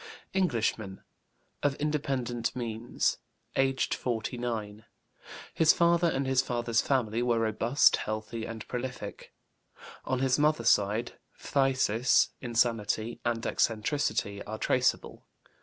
Englishman, of independent means, aged 49. His father and his father's family were robust, healthy, and prolific. On his mother's side, phthisis, insanity, and eccentricity are traceable.